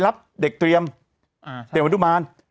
รับเด็กเตรียมเด็กวัฒนธุบาล